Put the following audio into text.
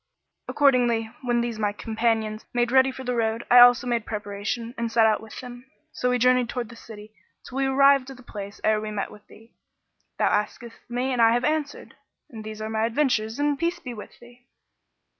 Accordingly, when these my companions made ready for the road, I also made preparation and set out with them, and we journeyed towards this city till we arrived at the place ere we met with thee. Thou askedst me and I have answered; and these are my adventures and peace be with thee!"